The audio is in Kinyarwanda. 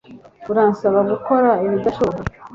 Uransaba gukora ibidashoboka